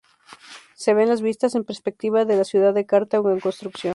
Se ven las vistas en perspectiva de la ciudad de Cartago en construcción.